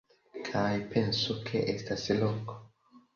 Kaj pensu, ke estas loko.